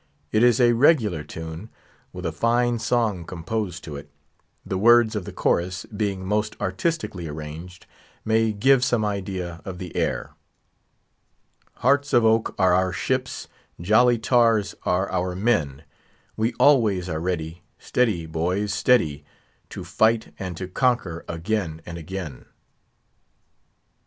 It is a regular tune, with a fine song composed to it; the words of the chorus, being most artistically arranged, may give some idea of the air: "Hearts of oak are our ships, jolly tars are our men, We always are ready, steady, boys, steady, To fight and to conquer, again and again."